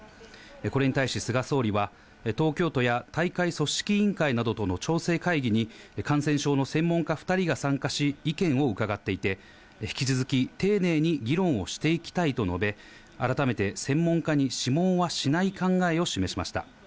これに対し、菅総理は、東京都や大会組織委員会などとの調整会議に、感染症の専門家２人が参加し、意見を伺っていて、引き続き丁寧に議論をしていきたいと述べ、改めて専門家に諮問はしない考えを示しました。